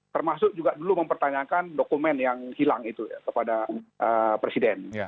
termasuk juga dulu mempertanyakan dokumen yang hilang itu kepada presiden